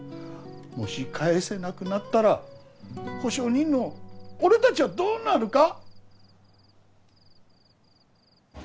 もし返せなくなったら保証人の俺たちはどうなるか。